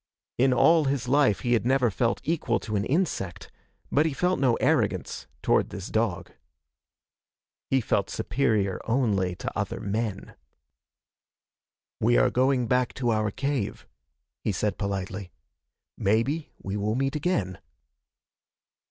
In all his life he had never felt equal to an insect, but he felt no arrogance toward this dog. He felt superior only to other men. "We are going back to our cave," he said politely. "Maybe we will meet again."